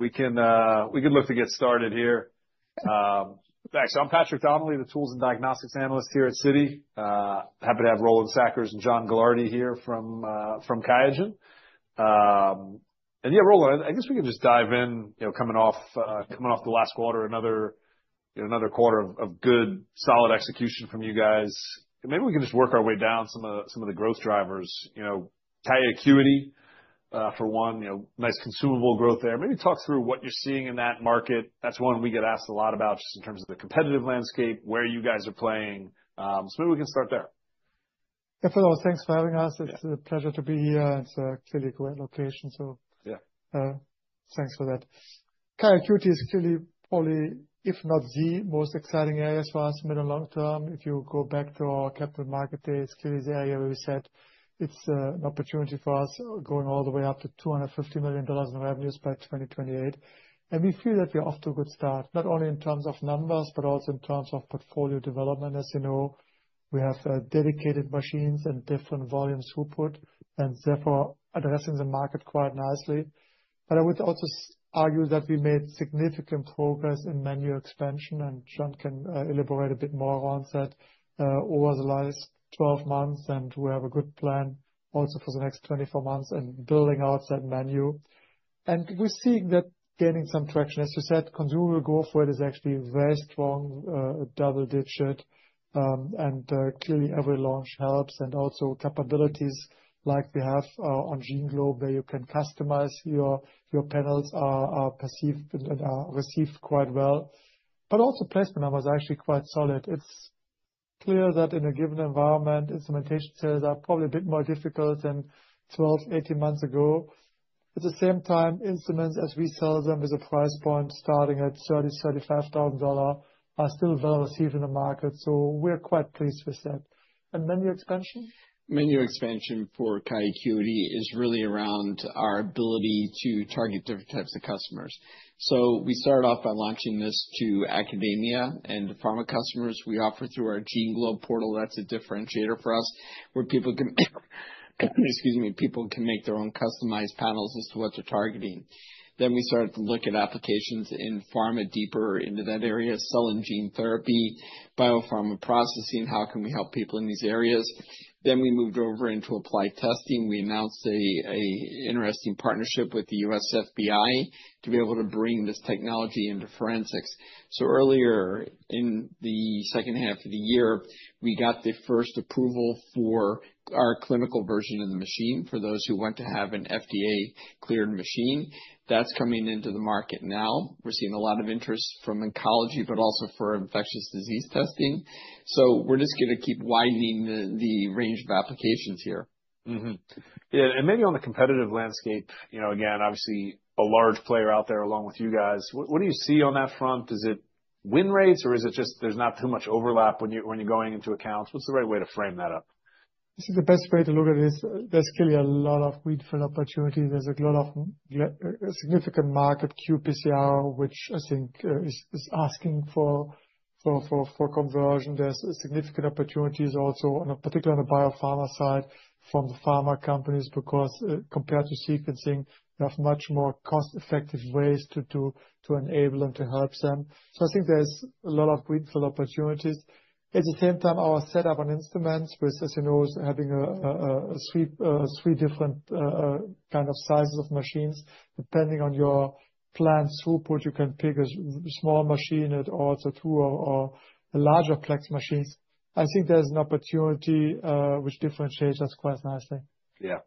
All right. We can look to get started here. Thanks. I'm Patrick Donnelly, the tools and diagnostics analyst here at Citi. Happy to have Roland Sackers and John Gilardi here from QIAGEN. Yeah, Roland, I guess we can just dive in, you know, coming off the last quarter, another quarter of good solid execution from you guys. Maybe we can just work our way down some of the growth drivers, you know, QIAGEN for one, you know, nice consumable growth there. Maybe talk through what you're seeing in that market. That's one we get asked a lot about just in terms of the competitive landscape, where you guys are playing. So maybe we can start there. Yeah. First of all, thanks for having us. It's a pleasure to be here. It's a clearly great location. So, yeah, thanks for that. QIAGEN is clearly probably, if not the most exciting areas for us mid and long term. If you go back to our Capital Markets Day, it's clearly the area where we said it's an opportunity for us going all the way up to $250 million in revenues by 2028. And we feel that we're off to a good start, not only in terms of numbers, but also in terms of portfolio development. As you know, we have dedicated machines and different volumes we put, and therefore addressing the market quite nicely. But I would also argue that we made significant progress in menu expansion, and John can elaborate a bit more on that, over the last 12 months. We have a good plan also for the next 24 months and building out that menu. We're seeing that gaining some traction. As you said, consumable growth rate is actually very strong, double digit, and clearly every launch helps. Also capabilities like we have on GeneGlobe, where you can customize your panels are perceived and are received quite well. But also placement numbers are actually quite solid. It's clear that in a given environment, instrumentation sales are probably a bit more difficult than 12, 18 months ago. At the same time, instruments as we sell them with a price point starting at $30,000, $35,000 are still well received in the market. We're quite pleased with that. Menu expansion? Menu expansion for QIAGEN is really around our ability to target different types of customers. So we started off by launching this to academia and pharma customers. We offer through our GeneGlobe portal. That's a differentiator for us where people can make their own customized panels as to what they're targeting. Then we started to look at applications in pharma deeper into that area, selling gene therapy, biopharma processing, how can we help people in these areas? Then we moved over into applied testing. We announced an interesting partnership with the U.S. FBI to be able to bring this technology into forensics. So earlier in the second half of the year, we got the first approval for our clinical version of the machine for those who want to have an FDA cleared machine. That's coming into the market now. We're seeing a lot of interest from oncology, but also for infectious disease testing. So we're just gonna keep widening the range of applications here. Mm-hmm. Yeah. And maybe on the competitive landscape, you know, again, obviously a large player out there along with you guys. What do you see on that front? Is it win rates or is it just, there's not too much overlap when you're going into accounts? What's the right way to frame that up? I think the best way to look at it is there's clearly a lot of windfall opportunities. There's a lot of significant market qPCR, which I think is asking for conversion. There's significant opportunities also on a, particularly on the biopharma side from the pharma companies, because compared to sequencing, they have much more cost-effective ways to enable and to help them. So I think there's a lot of windfall opportunities. At the same time, our setup on instruments with, as you know, having three different kinds of sizes of machines, depending on your planned throughput, you can pick a small machine, also two or larger flex machines. I think there's an opportunity, which differentiates us quite nicely. Yeah.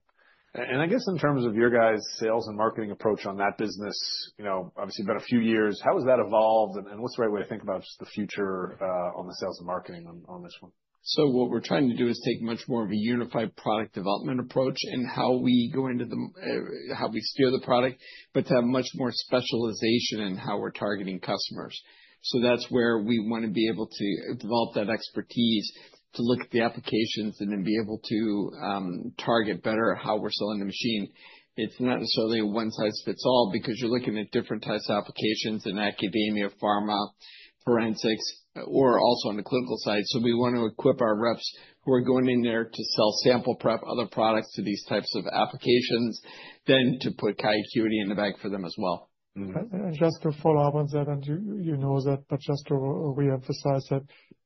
And, and I guess in terms of your guys' sales and marketing approach on that business, you know, obviously you've been a few years, how has that evolved? And, and what's the right way to think about just the future, on the sales and marketing on, on this one? So what we're trying to do is take much more of a unified product development approach in how we go into the, how we steer the product, but to have much more specialization in how we're targeting customers. So that's where we wanna be able to develop that expertise to look at the applications and then be able to, target better how we're selling the machine. It's not necessarily a one size fits all because you're looking at different types of applications in academia, pharma, forensics, or also on the clinical side. So we wanna equip our reps who are going in there to sell sample prep, other products to these types of applications, then to put QIAGEN in the bag for them as well. Okay. And just to follow up on that, and you know that, but just to reemphasize that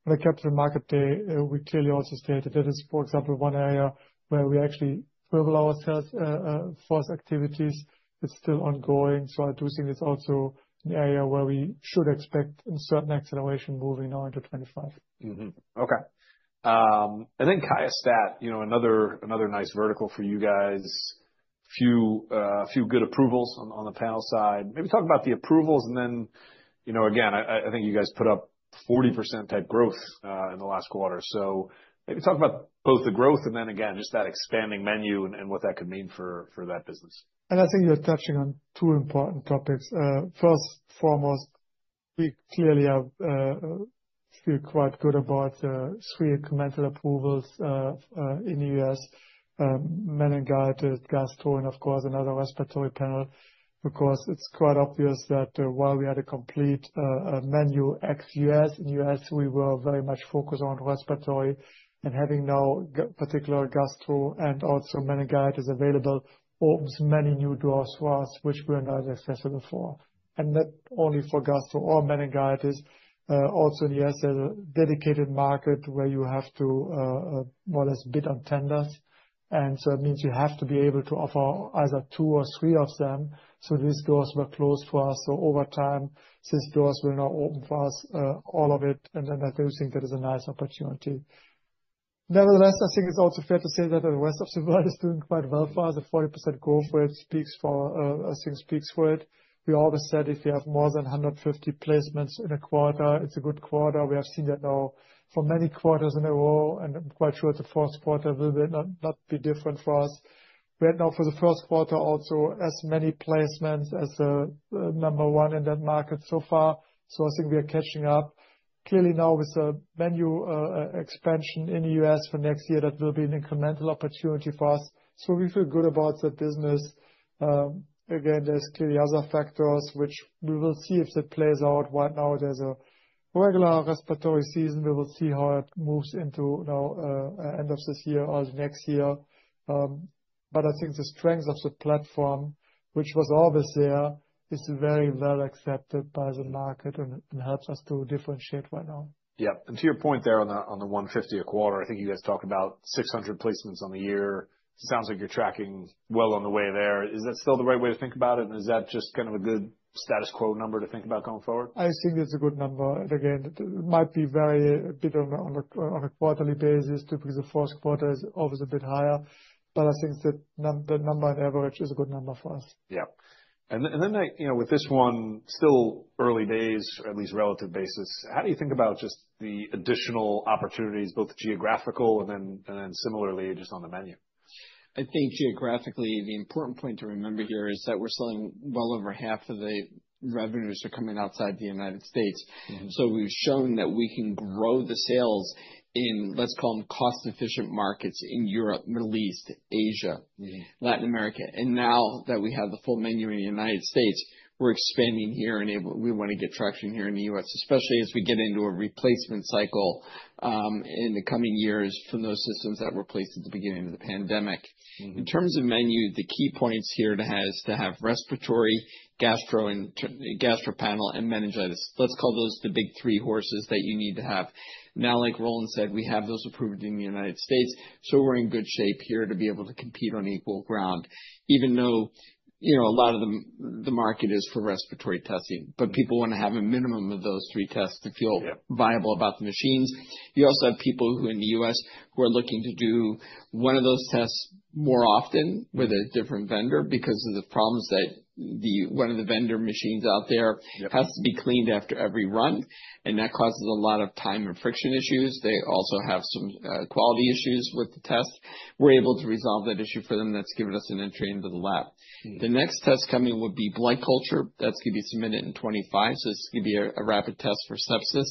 on a Capital Markets Day, we clearly also stated that it's, for example, one area where we actually will allow ourselves M&A activities. It's still ongoing. So I do think it's also an area where we should expect a certain acceleration moving now into 2025. Mm-hmm. Okay. And then QIAGEN, you know, another nice vertical for you guys. Few good approvals on the panel side. Maybe talk about the approvals and then, you know, again, I think you guys put up 40% type growth in the last quarter. So maybe talk about both the growth and then again, just that expanding menu and what that could mean for that business. I think you're touching on two important topics, first and foremost. We clearly feel quite good about three incremental approvals in the U.S.: meningitis, gastro, and of course another respiratory panel, because it's quite obvious that while we had a complete menu ex-U.S., in the U.S. we were very much focused on respiratory and having now in particular gastro and also meningitis available opens many new doors for us, which we were not accessible for. Not only for gastro or meningitis, also in the U.S. there's a dedicated market where you have to more or less bid on tenders. So it means you have to be able to offer either two or three of them. These doors were closed for us. Over time, these doors will now open for us, all of it. Then I do think that is a nice opportunity. Nevertheless, I think it's also fair to say that the rest of the world is doing quite well for us. The 40% growth rate speaks for, I think speaks for it. We always said if you have more than 150 placements in a quarter, it's a good quarter. We have seen that now for many quarters in a row, and I'm quite sure the fourth quarter will not, not be different for us. We had now for the first quarter also as many placements as the number one in that market so far. So I think we are catching up clearly now with the new expansion in the U.S. for next year. That will be an incremental opportunity for us. So we feel good about the business. Again, there's clearly other factors, which we will see if that plays out. Right now, there's a regular respiratory season. We will see how it moves into now, end of this year or the next year. But I think the strength of the platform, which was always there, is very well accepted by the market and helps us to differentiate right now. Yeah. And to your point there on the 150 a quarter, I think you guys talk about 600 placements on the year. It sounds like you're tracking well on the way there. Is that still the right way to think about it? And is that just kind of a good status quo number to think about going forward? I think that's a good number, and again, it might be a bit on a quarterly basis too, because the first quarter is always a bit higher, but I think that number on average is a good number for us. Yeah. And then I, you know, with this one still early days, or at least relative basis, how do you think about just the additional opportunities, both geographical and then similarly just on the menu? I think geographically the important point to remember here is that we're selling well over half of the revenues are coming outside the United States, so we've shown that we can grow the sales in, let's call 'em cost-efficient markets in Europe, Middle East, Asia, Latin America, and now that we have the full menu in the United States, we're expanding here and able, we wanna get traction here in the U.S., especially as we get into a replacement cycle in the coming years from those systems that were placed at the beginning of the pandemic. In terms of menu, the key points here to has to have respiratory, gastro, and gastro panel and meningitis. Let's call those the big three horses that you need to have. Now, like Roland said, we have those approved in the United States. So we're in good shape here to be able to compete on equal ground, even though, you know, a lot of the market is for respiratory testing, but people wanna have a minimum of those three tests to feel viable about the machines. You also have people who in the U.S. who are looking to do one of those tests more often with a different vendor because of the problems that the, one of the vendor machines out there has to be cleaned after every run. And that causes a lot of time and friction issues. They also have some quality issues with the test. We're able to resolve that issue for them. That's given us an entry into the lab. The next test coming would be blood culture. That's gonna be submitted in 2025. So this is gonna be a rapid test for sepsis.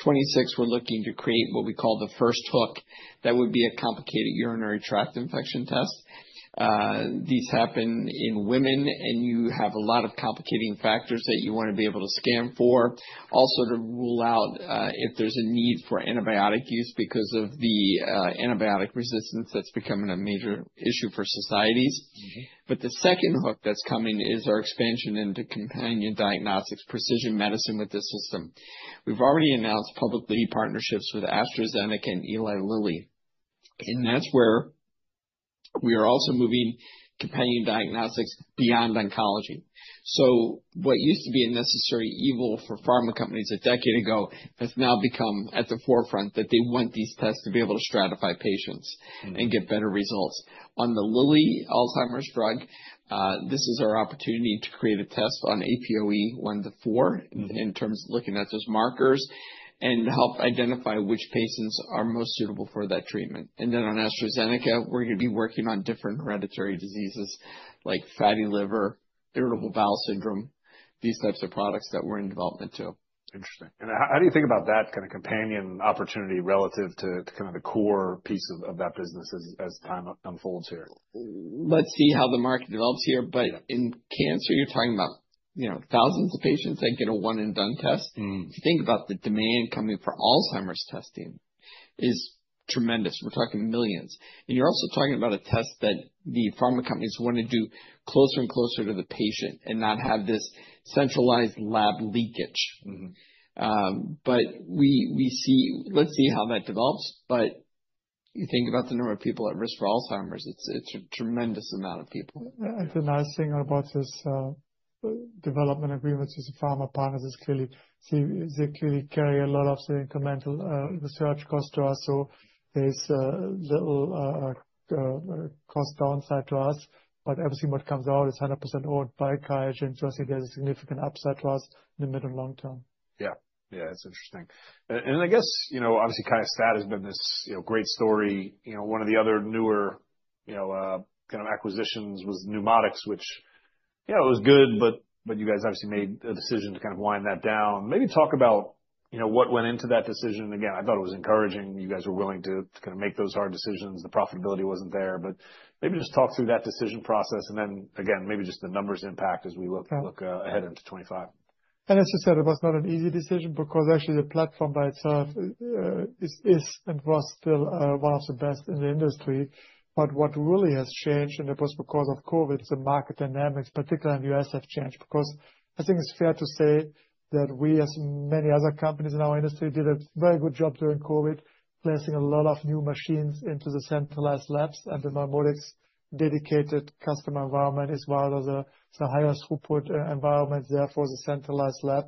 2026, we're looking to create what we call the first hook. That would be a complicated urinary tract infection test. These happen in women and you have a lot of complicating factors that you wanna be able to scan for, also to rule out, if there's a need for antibiotic use because of the, antibiotic resistance that's becoming a major issue for societies. But the second hook that's coming is our expansion into companion diagnostics, precision medicine with the system. We've already announced publicly partnerships with AstraZeneca and Eli Lilly. And that's where we are also moving companion diagnostics beyond oncology. So what used to be a necessary evil for pharma companies a decade ago has now become at the forefront that they want these tests to be able to stratify patients and get better results. On the Lilly Alzheimer's drug, this is our opportunity to create a test on APOE one to four in terms of looking at those markers and help identify which patients are most suitable for that treatment and then on AstraZeneca, we're gonna be working on different hereditary diseases like fatty liver, irritable bowel syndrome, these types of products that we're in development too. Interesting. How do you think about that kind of companion opportunity relative to kind of the core piece of that business as time unfolds here? Let's see how the market develops here. But in cancer, you're talking about, you know, thousands of patients that get a one and done test. If you think about the demand coming for Alzheimer's testing is tremendous. We're talking millions. And you're also talking about a test that the pharma companies wanna do closer and closer to the patient and not have this centralized lab leakage. But we see, let's see how that develops. But you think about the number of people at risk for Alzheimer's, it's a tremendous amount of people. The nice thing about this development agreements with the pharma partners is clearly they clearly carry a lot of the incremental research cost to us. So there's little cost downside to us. But everything what comes out is 100% owned by QIAGEN. So I think there's a significant upside to us in the mid and long term. Yeah. Yeah. It's interesting. And, and I guess, you know, obviously QIAGEN has been this, you know, great story. You know, one of the other newer, you know, kind of acquisitions was NeuMoDx, which, you know, it was good, but, but you guys obviously made a decision to kind of wind that down. Maybe talk about, you know, what went into that decision. Again, I thought it was encouraging. You guys were willing to, to kind of make those hard decisions. The profitability wasn't there, but maybe just talk through that decision process and then again, maybe just the numbers impact as we look, look, ahead into 2025. And as you said, it was not an easy decision because actually the platform by itself is and was still one of the best in the industry. But what really has changed and it was because of COVID, the market dynamics, particularly in the U.S., have changed because I think it is fair to say that we, as many other companies in our industry, did a very good job during COVID, placing a lot of new machines into the centralized labs. And the normal dedicated customer environment is one of the highest throughput environments. Therefore, the centralized lab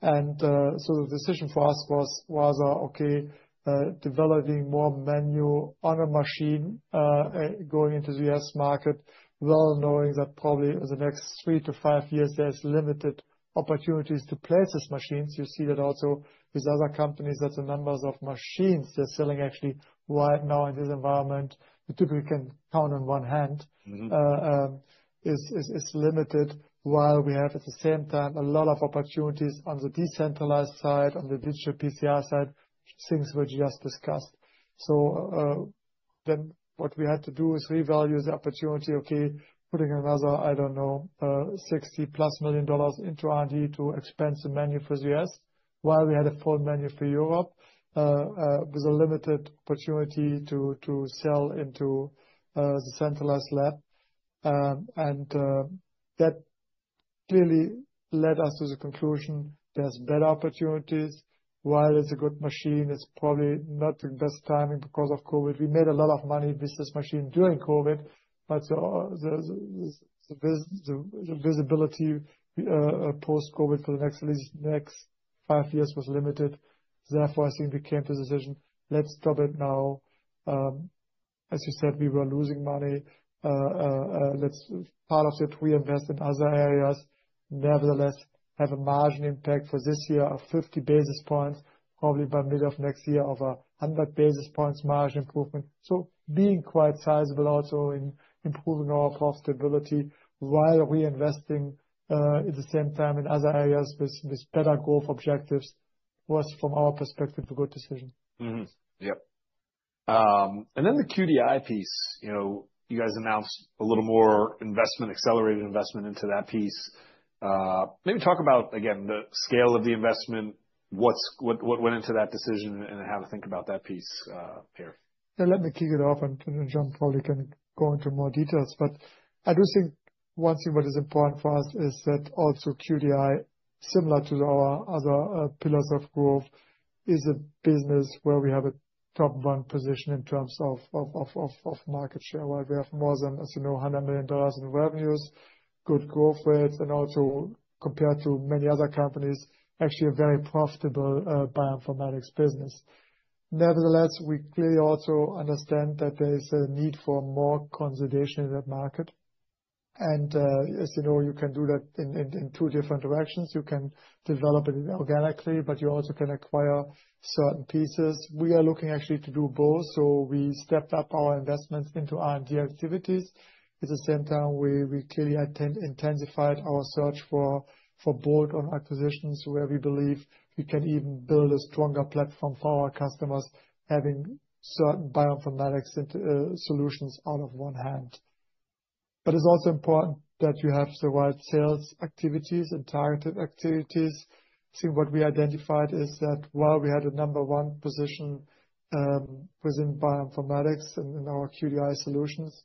and so the decision for us was okay, developing more menu on a machine, going into the U.S. market, well knowing that probably in the next three to five years, there is limited opportunities to place these machines. You see that also with other companies, that the numbers of machines they're selling actually right now in this environment, you typically can count on one hand, is limited while we have at the same time a lot of opportunities on the decentralized side, on the digital PCR side, things we just discussed. So, then what we had to do is revalue the opportunity, okay, putting another, I don't know, $60+ million into R&D to expand the menu for the U.S. while we had a full menu for Europe, with a limited opportunity to sell into the centralized lab, and that clearly led us to the conclusion there's better opportunities. While it's a good machine, it's probably not the best timing because of COVID. We made a lot of money with this machine during COVID, but the visibility post-COVID for the next five years was limited. Therefore, I think we came to the decision, let's stop it now. As you said, we were losing money. Let's part of that, we invest in other areas, nevertheless have a margin impact for this year of 50 bps, probably by mid of next year of 100 bps margin improvement. Being quite sizable also in improving our profitability while reinvesting, at the same time in other areas with better growth objectives was from our perspective a good decision. Mm-hmm. Yep. And then the QDI piece, you know, you guys announced a little more investment, accelerated investment into that piece. Maybe talk about again the scale of the investment, what went into that decision, and how to think about that piece here. Yeah. Let me kick it off and then John probably can go into more details. But I do think one thing what is important for us is that also QDI, similar to our other pillars of growth, is a business where we have a top one position in terms of market share, where we have more than, as you know, $100 million in revenues, good growth rates, and also compared to many other companies, actually a very profitable bioinformatics business. Nevertheless, we clearly also understand that there is a need for more consolidation in that market. And, as you know, you can do that in two different directions. You can develop it organically, but you also can acquire certain pieces. We are looking actually to do both, so we stepped up our investments into R&D activities. At the same time, we clearly intensified our search for bolt-on acquisitions where we believe we can even build a stronger platform for our customers having certain bioinformatics solutions out of one hand. But it's also important that you have the right sales activities and targeted activities. I think what we identified is that while we had a number one position within bioinformatics and in our QDI solutions,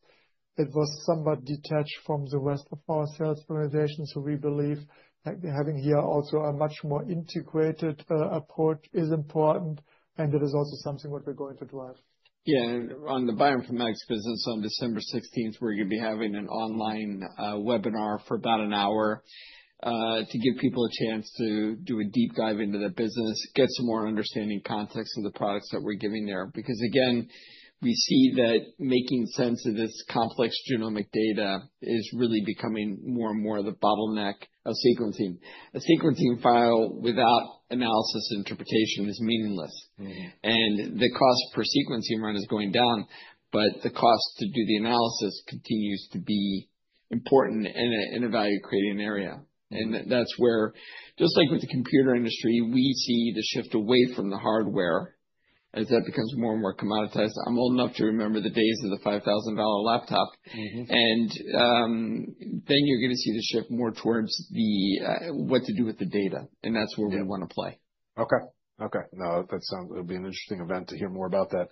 it was somewhat detached from the rest of our sales organization. So we believe that having here also a much more integrated approach is important. And that is also something what we're going to drive. Yeah. And on the bioinformatics business on December 16th, we're gonna be having an online webinar for about an hour, to give people a chance to do a deep dive into the business, get some more understanding context of the products that we're giving there. Because again, we see that making sense of this complex genomic data is really becoming more and more the bottleneck of sequencing. A sequencing file without analysis and interpretation is meaningless. And the cost per sequencing run is going down, but the cost to do the analysis continues to be important in a value creating area. And that's where, just like with the computer industry, we see the shift away from the hardware as that becomes more and more commoditized. I'm old enough to remember the days of the $5,000 laptop. Then you're gonna see the shift more towards what to do with the data. And that's where we wanna play. Okay. Okay. No, that sounds, it'll be an interesting event to hear more about that,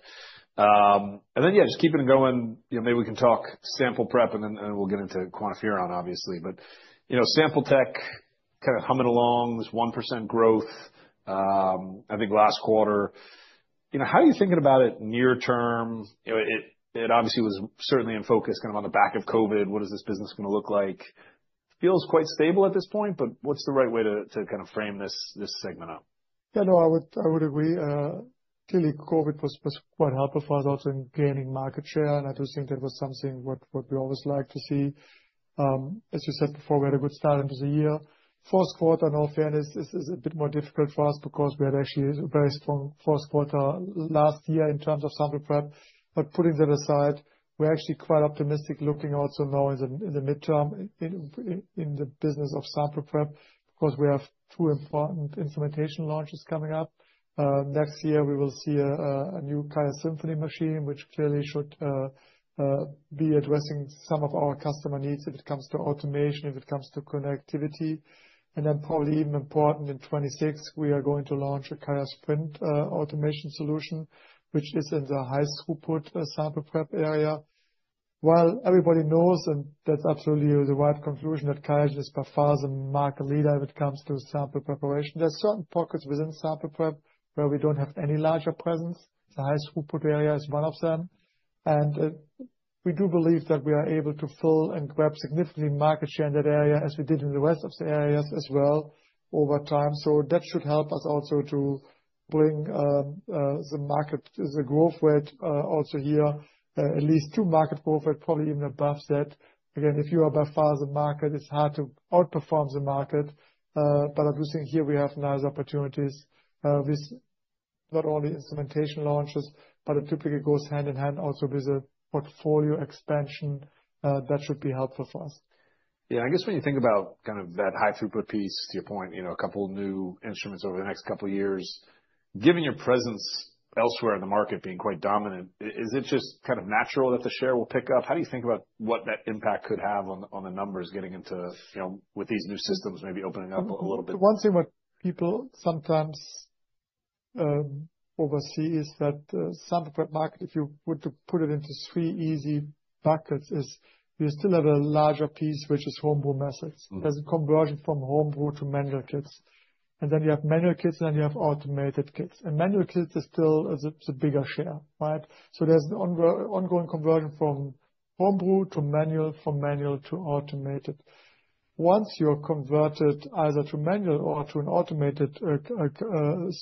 and then, yeah, just keeping it going, you know, maybe we can talk sample prep and then, and we'll get into QuantiFERON obviously, but, you know, sample tech kind of humming along, this 1% growth, I think last quarter, you know, how are you thinking about it near term? You know, it, it obviously was certainly in focus kind of on the back of COVID. What is this business gonna look like? Feels quite stable at this point, but what's the right way to, to kind of frame this, this segment up? Yeah. No, I would agree. Clearly COVID was quite helpful for us also in gaining market share. And I do think that was something what we always like to see. As you said before, we had a good start into the year. Fourth quarter, in all fairness, is a bit more difficult for us because we had actually a very strong fourth quarter last year in terms of sample prep. But putting that aside, we're actually quite optimistic looking also now in the midterm in the business of sample prep because we have two important implementation launches coming up. Next year we will see a new QIAsymphony machine, which clearly should be addressing some of our customer needs if it comes to automation, if it comes to connectivity. Then probably even important in 2026, we are going to launch a QIAsprint automation solution, which is in the high throughput sample prep area. While everybody knows, and that's absolutely the right conclusion that QIAGEN is by far the market leader if it comes to sample preparation, there's certain pockets within sample prep where we don't have any larger presence. The high throughput area is one of them. We do believe that we are able to fill and grab significantly market share in that area as we did in the rest of the areas as well over time. That should help us also to bring the market growth rate also here, at least to market growth rate, probably even above that. Again, if you are by far the market, it's hard to outperform the market. But I do think here we have nice opportunities, with not only instrumentation launches, but it typically goes hand in hand also with a portfolio expansion, that should be helpful for us. Yeah. I guess when you think about kind of that high throughput piece, to your point, you know, a couple new instruments over the next couple years, given your presence elsewhere in the market being quite dominant, is it just kind of natural that the share will pick up? How do you think about what that impact could have on the numbers getting into, you know, with these new systems maybe opening up a little bit? One thing what people sometimes oversee is that sample prep market, if you were to put it into three easy buckets, is you still have a larger piece, which is homebrew methods. There's a conversion from homebrew to manual kits. And then you have manual kits, and then you have automated kits. And manual kits are still the, the bigger share, right? So there's an ongoing conversion from homebrew to manual, from manual to automated. Once you are converted either to manual or to an automated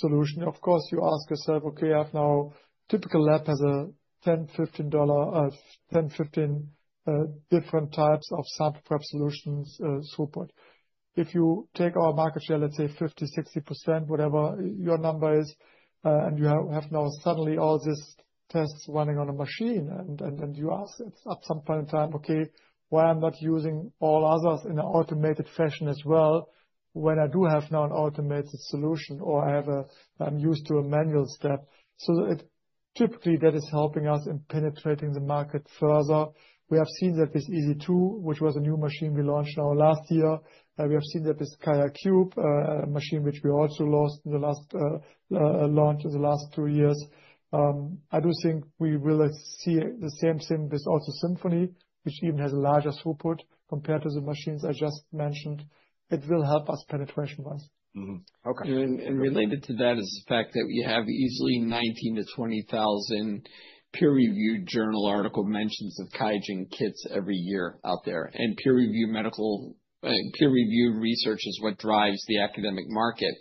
solution, of course you ask yourself, okay, I have now. Typical lab has a 10-15 different types of sample prep solutions, throughput. If you take our market share, let's say 50% to 60%, whatever your number is, and you have now suddenly all these tests running on a machine, and you ask at some point in time, okay, why I'm not using all others in an automated fashion as well when I do have now an automated solution or I'm used to a manual step. So it typically that is helping us in penetrating the market further. We have seen that with EZ2, which was a new machine we launched now last year. We have seen that with QIAcube, a machine which we also launched in the last two years. I do think we will see the same thing with also QIAsymphony, which even has a larger throughput compared to the machines I just mentioned. It will help us penetration-wise. Mm-hmm. Okay. Related to that is the fact that we have easily 19 to 20,000 peer-reviewed journal article mentions of QIAGEN kits every year out there. Peer-reviewed medical, peer-reviewed research is what drives the academic market.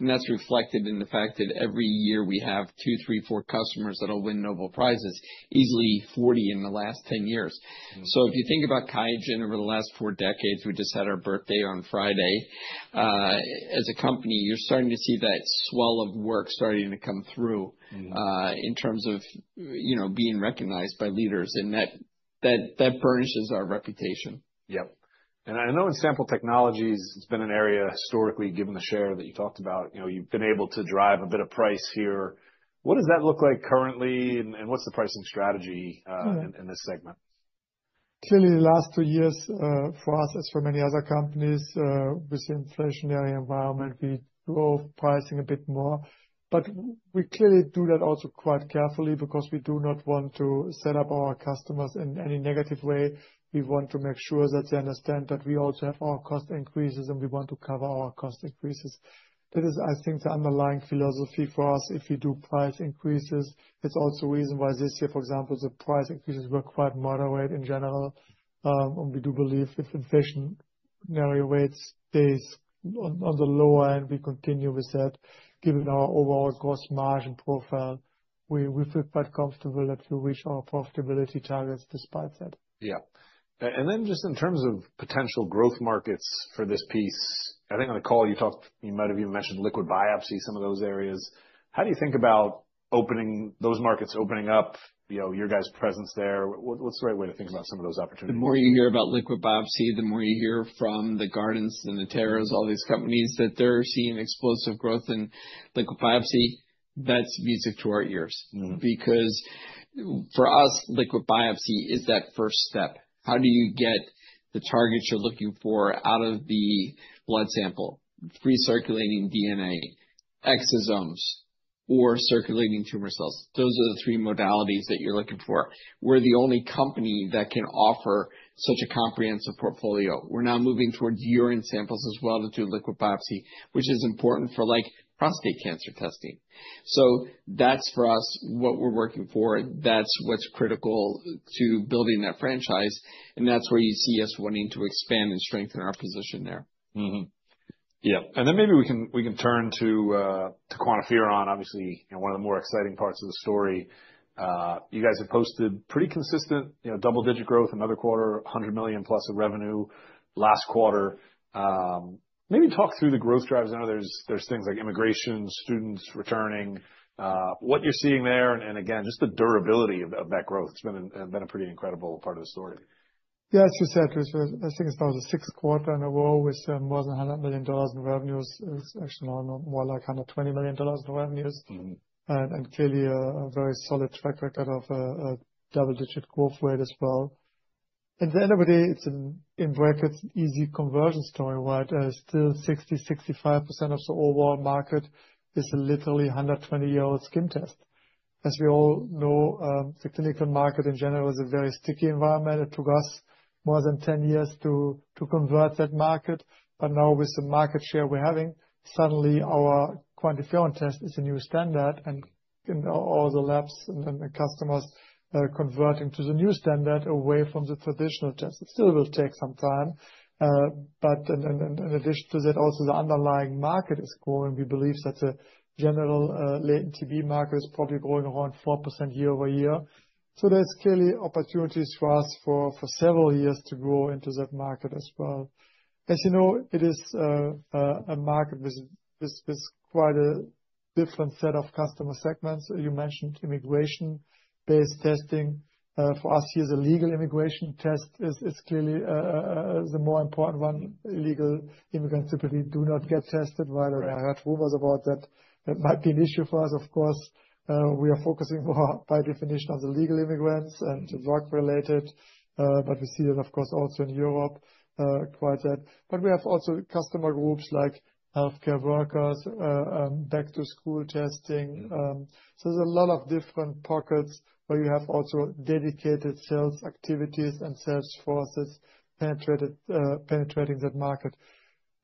That's reflected in the fact that every year we have two, three, four customers that'll win Nobel Prizes, easily 40 in the last 10 years. If you think about QIAGEN over the last four decades, we just had our birthday on Friday. As a company, you're starting to see that swell of work starting to come through, in terms of, you know, being recognized by leaders. That burnishes our reputation. Yep. And I know in sample technologies, it's been an area historically given the share that you talked about, you know, you've been able to drive a bit of price here. What does that look like currently? And what's the pricing strategy in this segment? Clearly, the last two years, for us, as for many other companies, with the inflationary environment, we drove pricing a bit more. But we clearly do that also quite carefully because we do not want to set up our customers in any negative way. We want to make sure that they understand that we also have our cost increases and we want to cover our cost increases. That is, I think, the underlying philosophy for us. If we do price increases, it's also a reason why this year, for example, the price increases were quite moderate in general, and we do believe if inflationary rates stays on the lower end, we continue with that, given our overall cost margin profile, we feel quite comfortable that we reach our profitability targets despite that. Yeah, and then just in terms of potential growth markets for this piece, I think on the call you talked, you might've even mentioned liquid biopsy, some of those areas. How do you think about opening those markets, opening up, you know, your guys' presence there? What, what's the right way to think about some of those opportunities? The more you hear about liquid biopsy, the more you hear from the Guardant Health and the Natera, all these companies that they're seeing explosive growth in liquid biopsy. That's music to our ears. Because for us, liquid biopsy is that first step. How do you get the targets you're looking for out of the blood sample, free circulating DNA, exosomes, or circulating tumor cells? Those are the three modalities that you're looking for. We're the only company that can offer such a comprehensive portfolio. We're now moving towards urine samples as well to do liquid biopsy, which is important for like prostate cancer testing. So that's for us what we're working for. That's what's critical to building that franchise. And that's where you see us wanting to expand and strengthen our position there. Mm-hmm. Yep. And then maybe we can turn to QuantiFERON, obviously, you know, one of the more exciting parts of the story. You guys have posted pretty consistent, you know, double-digit growth, another quarter, $100 million plus of revenue last quarter. Maybe talk through the growth drivers. I know there's things like immigration, students returning, what you're seeing there. And again, just the durability of that growth. It's been a pretty incredible part of the story. Yeah. As you said, Chris, I think it's about the sixth quarter in a row with more than $100 million in revenues. It's actually now more like $120 million in revenues. And clearly a very solid track record of a double-digit growth rate as well. At the end of the day, it's an, in brackets, easy conversion story, right? Still 60% to 65% of the overall market is literally a 120-year-old skin test. As we all know, the clinical market in general is a very sticky environment. It took us more than 10 years to convert that market. But now with the market share we're having, suddenly our QuantiFERON test is a new standard. And all the labs and the customers converting to the new standard away from the traditional test. It still will take some time. But in addition to that, also the underlying market is growing. We believe that the general latent TB market is probably growing around 4% year over year. So there's clearly opportunities for us for several years to grow into that market as well. As you know, it is a market with quite a different set of customer segments. You mentioned immigration-based testing. For us here, the legal immigration test is clearly the more important one. Illegal immigrants typically do not get tested, right? I heard rumors about that. That might be an issue for us, of course. We are focusing more by definition on the legal immigrants and drug-related. But we see that, of course, also in Europe, quite that. But we have also customer groups like healthcare workers, back to school testing. So there's a lot of different pockets where you have also dedicated sales activities and sales forces penetrating that market.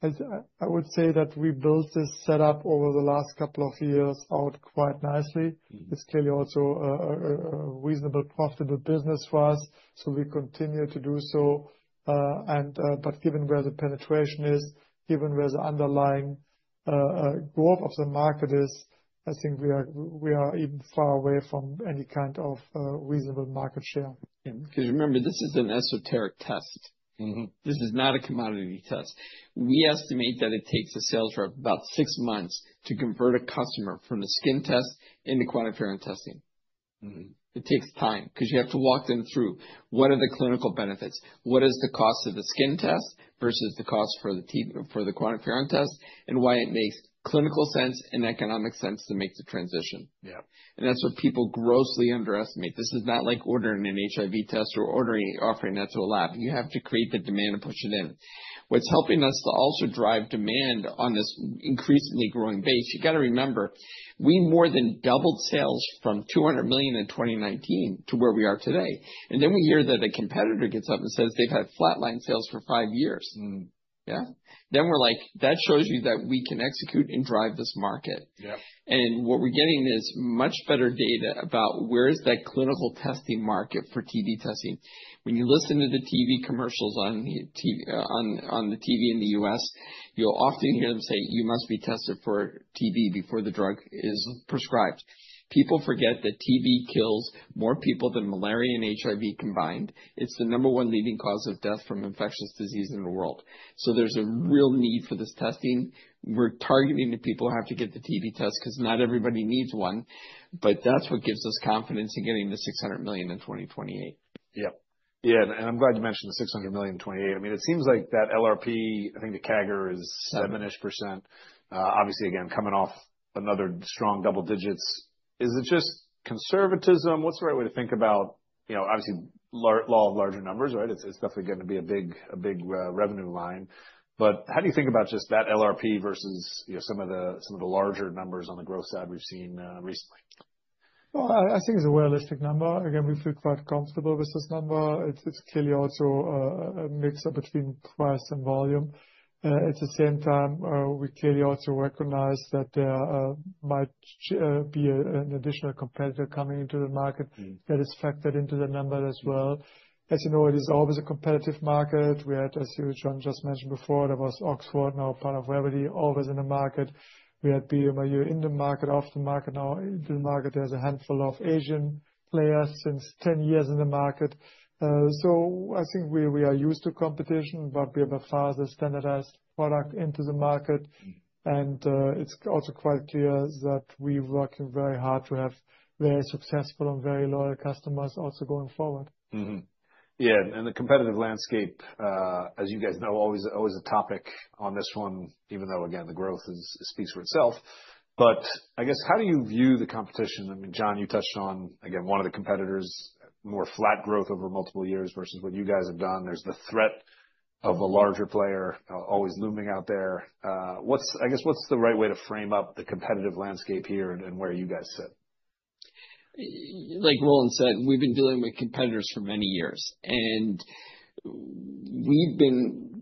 As I would say that we built this setup over the last couple of years out quite nicely. It's clearly also a reasonable profitable business for us. So we continue to do so, but given where the penetration is, given where the underlying growth of the market is, I think we are even far away from any kind of reasonable market share. Yeah. Because remember, this is an esoteric test. This is not a commodity test. We estimate that it takes a sales rep about six months to convert a customer from the skin test into QuantiFERON testing. It takes time because you have to walk them through what are the clinical benefits, what is the cost of the skin test versus the cost of the QuantiFERON test, and why it makes clinical sense and economic sense to make the transition. Yep. That's what people grossly underestimate. This is not like ordering an HIV test or ordering, offering that to a lab. You have to create the demand and push it in. What's helping us to also drive demand on this increasingly growing base, you gotta remember, we more than doubled sales from $200 million in 2019 to where we are today. And then we hear that a competitor gets up and says they've had flatline sales for five years. Yeah. Then we're like, that shows you that we can execute and drive this market. Yep. What we're getting is much better data about where is that clinical testing market for TB testing. When you listen to the TB commercials on the TV in the U.S., you'll often hear them say, you must be tested for TB before the drug is prescribed. People forget that TB kills more people than malaria and HIV combined. It's the number one leading cause of death from infectious disease in the world. So there's a real need for this testing. We're targeting the people who have to get the TB test because not everybody needs one. But that's what gives us confidence in getting the $600 million in 2028. Yep. Yeah. And, and I'm glad you mentioned the $600 million in 2028. I mean, it seems like that LRP, I think the CAGR is 7%-ish, obviously again, coming off another strong double digits. Is it just conservatism? What's the right way to think about, you know, obviously law of larger numbers, right? It's, it's definitely gonna be a big, a big, revenue line. But how do you think about just that LRP versus, you know, some of the, some of the larger numbers on the growth side we've seen, recently? I think it's a realistic number. Again, we feel quite comfortable with this number. It's clearly also a mix between price and volume. At the same time, we clearly also recognize that there might be an additional competitor coming into the market that is factored into the number as well. As you know, it is always a competitive market. We had, as you John just mentioned before, there was Oxford, now part of Revvity, always in the market. We had bioMérieux in the market, off the market. Now in the market, there's a handful of Asian players since 10 years in the market. So I think we are used to competition, but we have a faster standardized product into the market. It's also quite clear that we are working very hard to have very successful and very loyal customers also going forward. Mm-hmm. Yeah, and the competitive landscape, as you guys know, always, always a topic on this one, even though again, the growth speaks for itself, but I guess how do you view the competition? I mean, John, you touched on, again, one of the competitors, more flat growth over multiple years versus what you guys have done. There's the threat of a larger player always looming out there. What's, I guess, what's the right way to frame up the competitive landscape here and, and where you guys sit? Like Roland said, we've been dealing with competitors for many years, and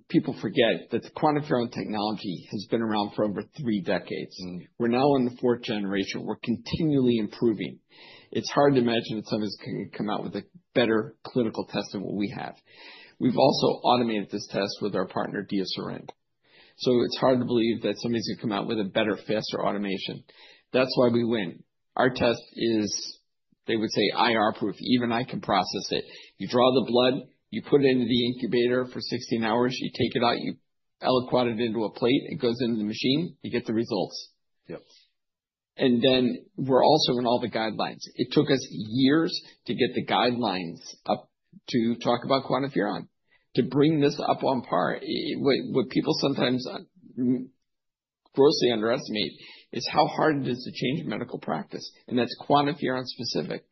people forget that the QuantiFERON technology has been around for over three decades. We're now in the fourth generation. We're continually improving. It's hard to imagine that somebody's gonna come out with a better clinical test than what we have. We've also automated this test with our partner, DiaSorin. So it's hard to believe that somebody's gonna come out with a better, faster automation. That's why we win. Our test is, they would say, idiot-proof. Even I can process it. You draw the blood, you put it into the incubator for 16 hours, you take it out, you aliquot it into a plate, it goes into the machine, you get the results. Yep. And then we're also in all the guidelines. It took us years to get the guidelines up to talk about QuantiFERON, to bring this up on par. What, what people sometimes grossly underestimate is how hard it is to change medical practice. And that's QuantiFERON specific.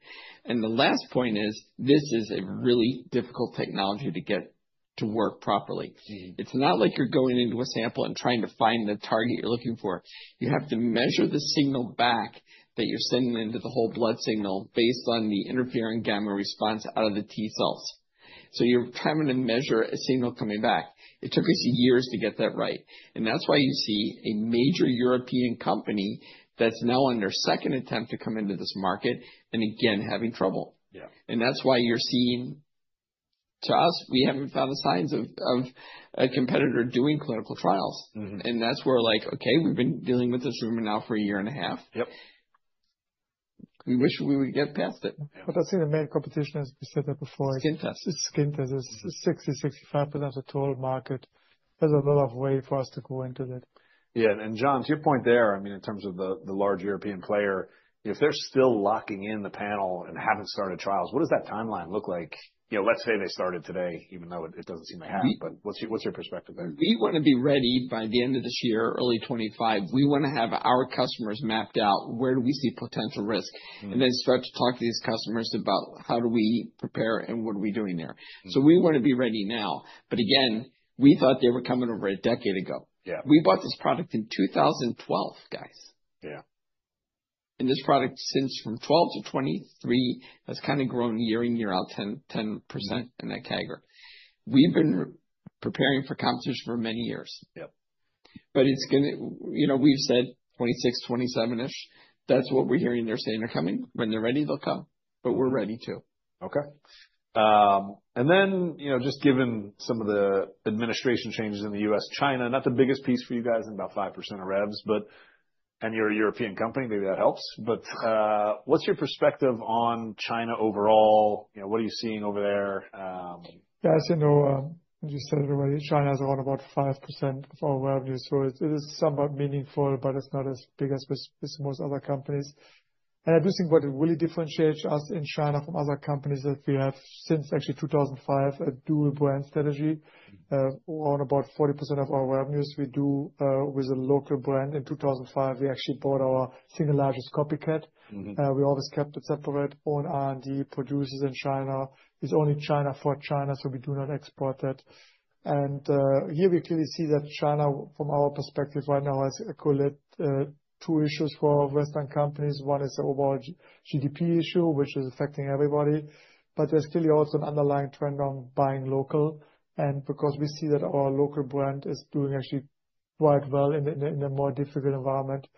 And the last point is this is a really difficult technology to get to work properly. It's not like you're going into a sample and trying to find the target you're looking for. You have to measure the signal back that you're sending into the whole blood signal based on the interferon-gamma response out of the T cells. So you're having to measure a signal coming back. It took us years to get that right. And that's why you see a major European company that's now on their second attempt to come into this market and again, having trouble. Yeah. That's why you're seeing, to us, we haven't found the signs of a competitor doing clinical trials. That's where, like, okay, we've been dealing with this rumor now for a year and a half. Yep. We wish we would get past it. But I think the main competition, as we said that before. Skin tests. Skin tests, 60% to 65% of the total market. There's a lot of way for us to go into that. Yeah. And John, to your point there, I mean, in terms of the large European player, if they're still locking in the panel and haven't started trials, what does that timeline look like? You know, let's say they started today, even though it doesn't seem they have, but what's your perspective there? We wanna be ready by the end of this year, early 2025. We wanna have our customers mapped out where do we see potential risk and then start to talk to these customers about how do we prepare and what are we doing there. So we wanna be ready now. But again, we thought they were coming over a decade ago. Yeah. We bought this product in 2012, guys. Yeah. This product since from 2012 to 2023 has kind of grown year in, year out, 10% in that CAGR. We've been preparing for competition for many years. Yep. But it's gonna, you know, we've said 26, 27-ish. That's what we're hearing they're saying they're coming. When they're ready, they'll come. But we're ready too. Okay, and then, you know, just given some of the administration changes in the U.S., China, not the biggest piece for you guys, in about 5% of revs, but, and you're a European company, maybe that helps. But, what's your perspective on China overall? You know, what are you seeing over there? Yeah. As you know, as you said, everybody, China has around about 5% of our revenue. So it is somewhat meaningful, but it's not as big as with, with most other companies, and I do think what really differentiates us in China from other companies is that we have since actually 2005 a dual brand strategy, around about 40% of our revenues we do, with a local brand. In 2005, we actually bought our single largest copycat, we always kept it separate on R&D producers in China. It's only China for China, so we do not export that, and here we clearly see that China, from our perspective right now, has a couple of, two issues for Western companies. One is the overall GDP issue, which is affecting everybody, but there's clearly also an underlying trend on buying local. Because we see that our local brand is doing actually quite well in a more difficult environment.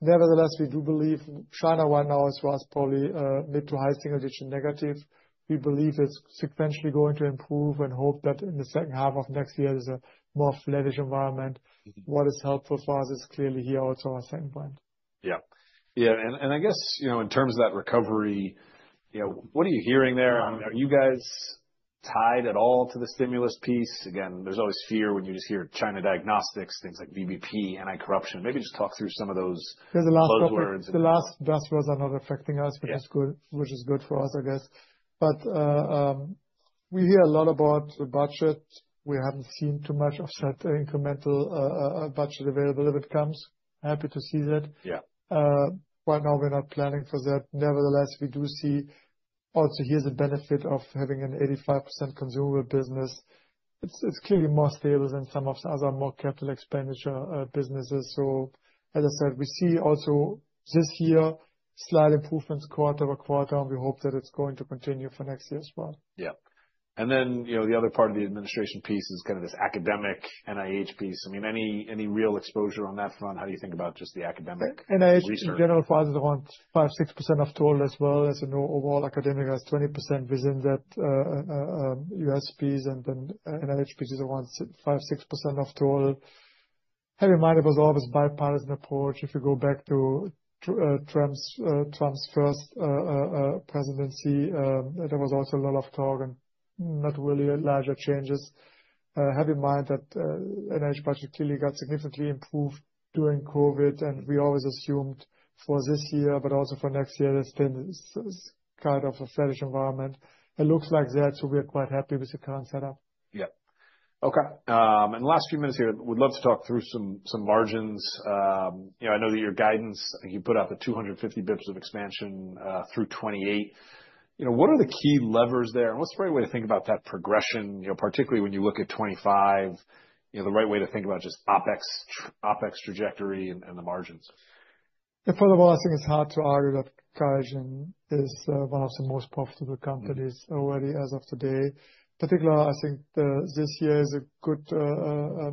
Nevertheless, we do believe China right now is for us probably a mid- to high-single-digit negative. We believe it's sequentially going to improve and hope that in the second half of next year there's a more flattish environment. What is helpful for us is clearly here also our second brand. Yep. Yeah. And, and I guess, you know, in terms of that recovery, you know, what are you hearing there? I mean, are you guys tied at all to the stimulus piece? Again, there's always fear when you just hear China diagnostics, things like VBP, anti-corruption. Maybe just talk through some of those headwinds. The last VBP was not affecting us, which is good for us, I guess. But we hear a lot about the budget. We haven't seen too much of such an incremental budget available if it comes. Happy to see that. Yeah. Right now we're not planning for that. Nevertheless, we do see. Also, here's a benefit of having an 85% consumable business. It's clearly more stable than some of the other more capital-expenditure businesses. So as I said, we see also this year slight improvements quarter by quarter, and we hope that it's going to continue for next year as well. Yep. And then, you know, the other part of the administration piece is kind of this academic NIH piece. I mean, any real exposure on that front? How do you think about just the academic research? NIH in general follows around 5% to 6% of total as well. As you know, overall academia has 20% within that, U.S. piece and then NIH piece is around 5% to 6% of total. Having in mind it was always bipartisan approach. If you go back to, Trump's, Trump's first, presidency, there was also a lot of talk and not really larger changes. Have in mind that, NIH budget clearly got significantly improved during COVID, and we always assumed for this year, but also for next year there's been this kind of a flattish environment. It looks like that, so we are quite happy with the current setup. Yep. Okay. And last few minutes here, we'd love to talk through some, some margins. You know, I know that your guidance, I think you put up at 250 bps of expansion, through 2028. You know, what are the key levers there? And what's the right way to think about that progression, you know, particularly when you look at 2025, you know, the right way to think about just OpEx trajectory and, and the margins? Yeah. First of all, I think it's hard to argue that QIAGEN is one of the most profitable companies already as of today. Particularly, I think this year is a good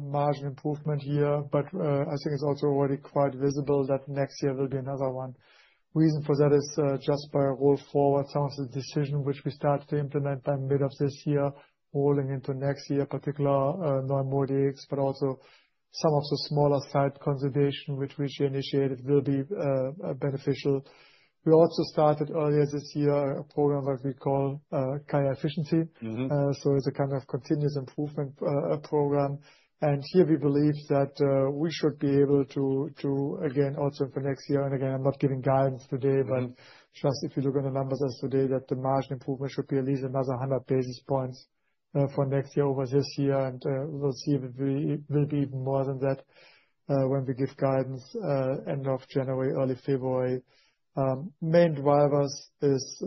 margin improvement here. But I think it's also already quite visible that next year will be another one. Reason for that is just by a roll forward, some of the decision which we started to implement by mid of this year, rolling into next year, particularly NeuMoDx, but also some of the smaller side consideration which we initiated will be beneficial. We also started earlier this year a program that we call QIAGEN Efficiency. Mm-hmm. So it's a kind of continuous improvement program. And here we believe that we should be able to again also for next year. And again, I'm not giving guidance today, but just if you look at the numbers as of today, that the margin improvement should be at least another 100 bps for next year over this year. And we'll see if it will be even more than that, when we give guidance end of January, early February. Main drivers is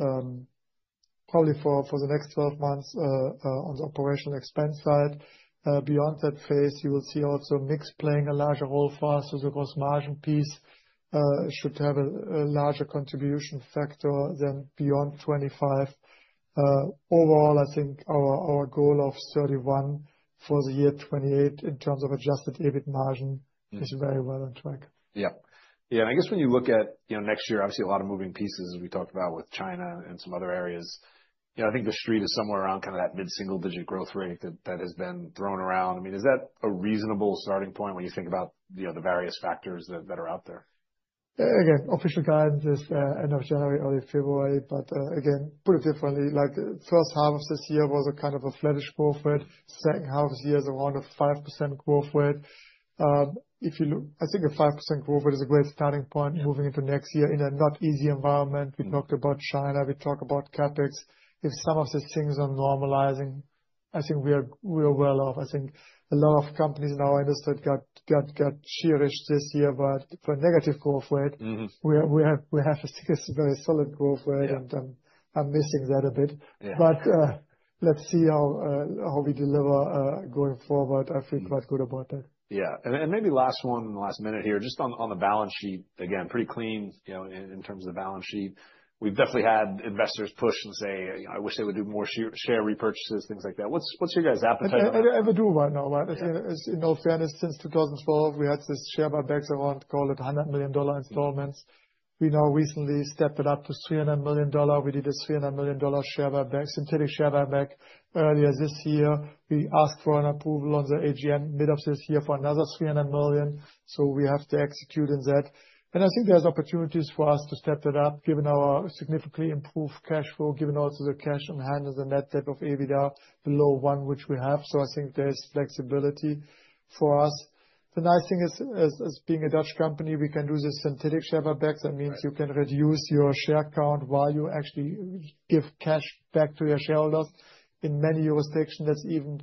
probably for the next 12 months on the operational expense side. Beyond that phase, you will see also mix playing a larger role for us. So the gross margin piece should have a larger contribution factor than beyond 2025. Overall, I think our goal of 31% for the year 2028 in terms of adjusted EBIT margin is very well on track. Yep. Yeah. And I guess when you look at, you know, next year, obviously a lot of moving pieces as we talked about with China and some other areas. You know, I think the street is somewhere around kind of that mid-single digit growth rate that has been thrown around. I mean, is that a reasonable starting point when you think about, you know, the various factors that are out there? Again, official guidance is end of January, early February. But again, put it differently, like the first half of this year was a kind of a flattish growth rate. Second half of this year is around a 5% growth rate. If you look, I think a 5% growth rate is a great starting point moving into next year in a not easy environment. We talked about China, we talk about CapEx. If some of these things are normalizing, I think we are well off. I think a lot of companies in our industry got bearish this year, but for negative growth rate, we have a very solid growth rate and I'm missing that a bit. But let's see how we deliver going forward. I feel quite good about that. Yeah. And maybe last one, last minute here, just on the balance sheet, again, pretty clean, you know, in terms of the balance sheet. We've definitely had investors push and say, you know, I wish they would do more share repurchases, things like that. What's your guys' appetite on that? Whatever we do right now, right? It's in all fairness, since 2012, we had this share buybacks around, call it $100 million installments. We now recently stepped it up to $300 million. We did a $300 million share buyback, synthetic share buyback earlier this year. We asked for an approval on the AGM mid of this year for another $300 million. So we have to execute in that. And I think there's opportunities for us to step it up given our significantly improved cash flow, given also the cash on hand and the net debt to EBITDA below one, which we have. So I think there's flexibility for us. The nice thing is, as being a Dutch company, we can do this synthetic share buybacks. That means you can reduce your share count while you actually give cash back to your shareholders in many jurisdictions. That's even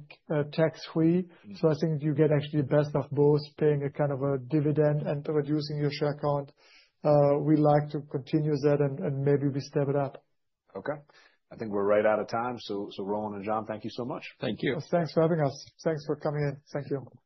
tax free. So I think you get actually the best of both, paying a kind of a dividend and reducing your share count. We like to continue that and maybe we step it up. Okay. I think we're right out of time. So, Roland and John, thank you so much. Thank you. Thanks for having us. Thanks for coming in. Thank you.